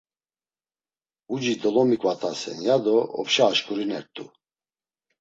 Uci dolomiǩvatasen, ya do opşa aşǩurinert̆u.